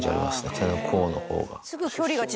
手の甲のほうが。